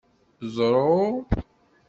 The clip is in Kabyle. Ḍru.